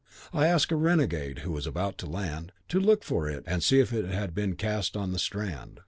I asked a renegade, who was about to land, to look for it and see if it had been cast on the strand.